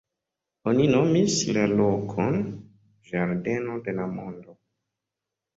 Oni nomis la lokon "Ĝardeno de la Mondo".